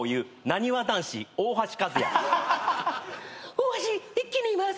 大橋一気に言います。